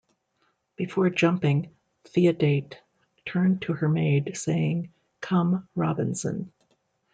Before jumping, Theodate turned to her maid saying, Come, Robinson.